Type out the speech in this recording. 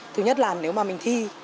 thứ nhất là nếu mà mình thi